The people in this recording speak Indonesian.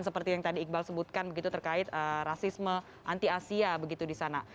seperti yang tadi iqbal sebutkan begitu terkait rasisme anti asia begitu di sana